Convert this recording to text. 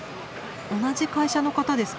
同じ会社の方ですか？